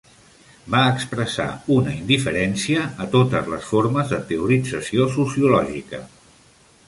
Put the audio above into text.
Va expressar una "indiferència" a totes les formes de teorització sociològica.